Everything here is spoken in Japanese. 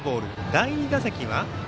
第２打席は。